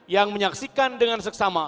yang menyaksikan dengan seksama